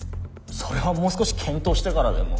それはもう少し検討してからでも。